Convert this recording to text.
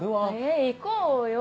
え行こうよ。